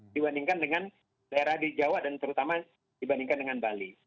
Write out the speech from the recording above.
dibandingkan dengan daerah di jawa dan terutama dibandingkan dengan bali